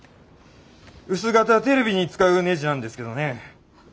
薄型テレビに使うねじなんですけどね。